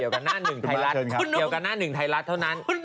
เกี่ยวกันหน้าหนึ่งไทยรัฐเท่านั้นคุณบังเชิญครับ